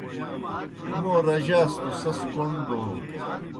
موں رجاس توْ سیْس کوْݨ دَو۔